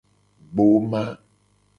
Gboma.